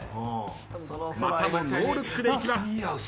またもノールックでいきます。